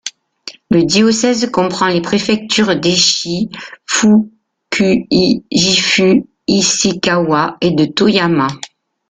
Le diocèse comprend les préfectures d'Aichi, Fukui, Gifu, Ishikawa et de Toyama.